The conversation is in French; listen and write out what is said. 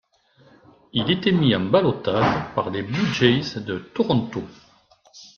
Il était mis en ballottage par les Blue Jays de Toronto.